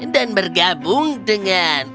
dan bergabung dengan